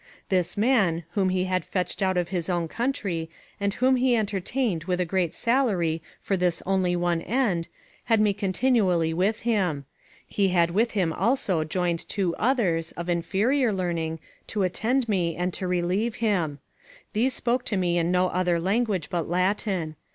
This man, whom he had fetched out of his own country, and whom he entertained with a great salary for this only one end, had me continually with him; he had with him also joined two others, of inferior learning, to attend me, and to relieve him; these spoke to me in no other language but Latin.